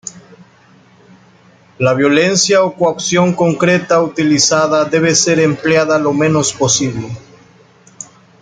La violencia o coacción concreta utilizada debe ser empleada lo menos posible.